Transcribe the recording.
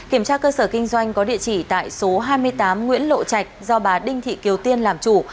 kiểm tra cơ sở kinh doanh có địa chỉ tại số hai mươi tám nguyễn lộ trạch do bà đinh thị kiều tiên làm chủ